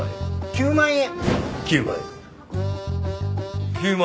９万円。